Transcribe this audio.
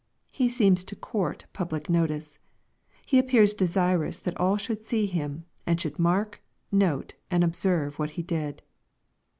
He seems to court public notice. He appears desirous that all should see Him, and should mark, note, and observe what He did.